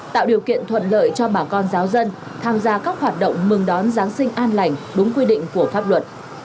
tạo điều kiện thuận lợi cho bà con giáo dân tham gia các hoạt động mừng đón giáng sinh an lành đúng quy định của pháp luật